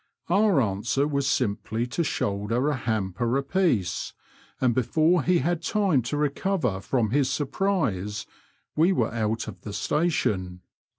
Our answer was simply to shoulder a hamper a piece, and before he had time to recover from his surprise, we were out of the Station.